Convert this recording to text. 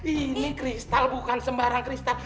ini kristal bukan sembarang kristal